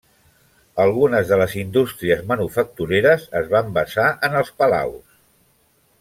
Algunes de les indústries manufactureres es van basar en els palaus.